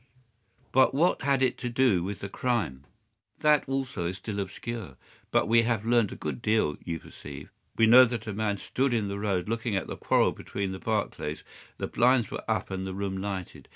"But what had it to do with the crime?" "That, also, is still obscure. But we have learned a good deal, you perceive. We know that a man stood in the road looking at the quarrel between the Barclays—the blinds were up and the room lighted.